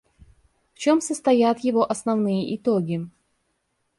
В чем состоят его основные итоги?